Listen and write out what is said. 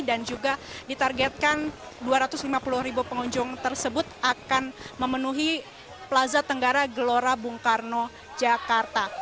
dan juga ditargetkan dua ratus lima puluh ribu pengunjung tersebut akan memenuhi plaza tenggara gelora bung karno jakarta